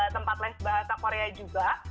tempat les bahasa korea juga